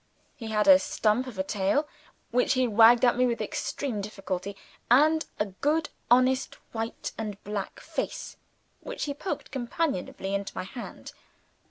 He had a stump of a tail, which he wagged at me with extreme difficulty, and a good honest white and black face which he poked companionably into my hand.